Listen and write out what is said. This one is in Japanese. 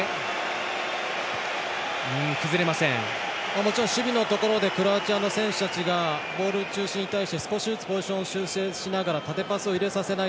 もちろん守備のところでクロアチアの選手たちがボール中心に対して少しずつポジションを修正しながら縦パスを入れさせない